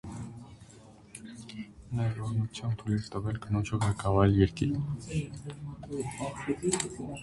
Նա իր օրհնությամբ թույլ էր տվել կնոջը ղեկավարել երկիրը։